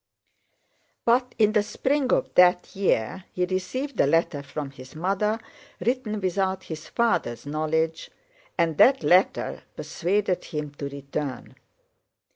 But in the spring of that year, he received a letter from his mother, written without his father's knowledge, and that letter persuaded him to return.